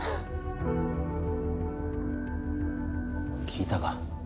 聞いたか？